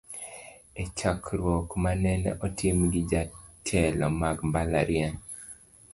E chokruok manene otim gi jotelo mag mbalariany.